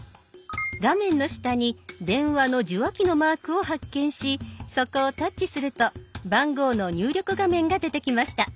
画面の下に電話の受話器のマークを発見しそこをタッチすると番号の入力画面が出てきました。